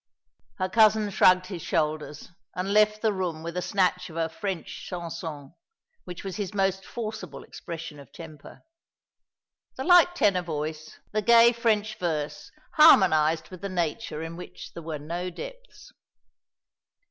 Her cousin shrugged his shoulders, and left the room with a snatch of a French chanson, which was his most forcible expression of temper. The light tenor voice, the gay French verse, harmonised with the nature in which there were no depths.